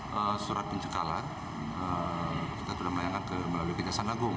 kalau surat pencekalan kita sudah melayangkan melalui kejaksaan agung